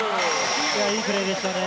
いいプレーでしたね